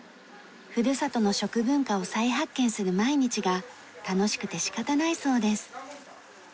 ふるさとの食文化を再発見する毎日が楽しくて仕方ないそうです。